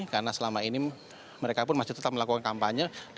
karena selama ini mereka pun masih tetap melakukan kampanye